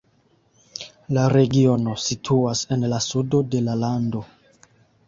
La regiono situas en la sudo de la lando.